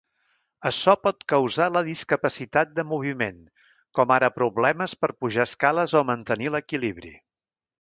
Açò pot causar la discapacitat de moviment, com ara problemes per pujar escales o mantenir l'equilibri.